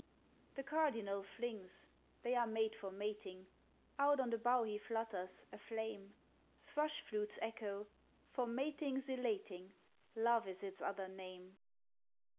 The cardinal flings, "They are made for mating!" Out on the bough he flutters, a flame. Thrush flutes echo, "For mating's elating! Love is its other name!"